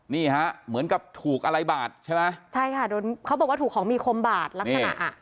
นี่ฮะเหมือนกับถูกอะไรบาดใช่ไหมใช่ค่ะโดนเขาบอกว่าถูกของมีคมบาดลักษณะอ่ะ